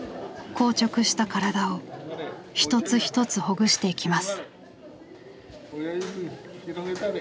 硬直した体を一つ一つほぐしていきます。